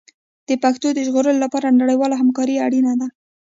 د پښتو د ژغورلو لپاره نړیواله همکاري اړینه ده.